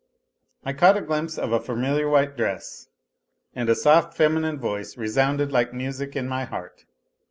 I caught a glimpse of a familiar white dress and a soft feminine voice resounded like music in my heart.